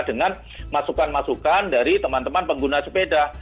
dengan masukan masukan dari teman teman pengguna sepeda